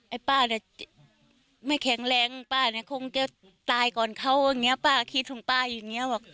ไอ้ป้าเนี้ยไม่แข็งแรงป้าเนี้ยคงแกตายก่อนเขาอย่างเงี้ยป้าก็คิดของป้าอยู่อย่างเงี้ยวะ